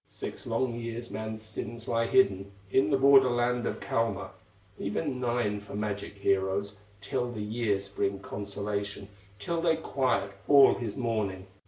Six long years man's sins lie hidden In the border land of Kalma, Even nine for magic heroes, Till the years bring consolation, Till they quiet all his mourning."